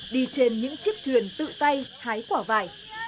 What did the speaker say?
đi trên những chiếc thuyền tự tay hái quả vải